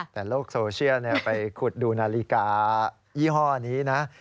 แต่โลกโซเชียลไปขุดดูนาฬิกายี่ห้อนี้นะ